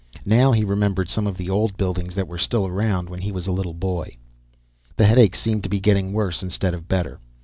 Now he remembered some of the old buildings that were still around when he was a little boy The headache seemed to be getting worse instead of better.